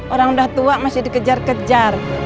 orang udah tua masih dikejar kejar